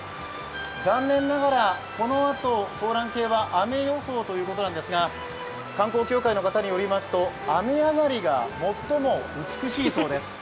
残念ながらこのあと香嵐渓は雨予報ということなんですが観光協会の方によりますと、雨上がりが最も美しいそうです。